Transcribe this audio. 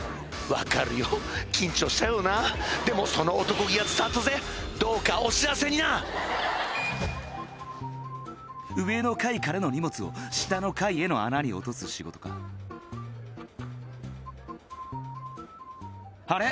分かるよ緊張しちゃうよなでもその漢気は伝わったぜどうかお幸せにな上の階からの荷物を下の階への穴に落とす仕事かあれ？